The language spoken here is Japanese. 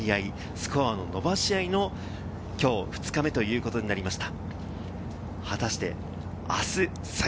スコアの伸ばし合いのきょう２日目ということになりました。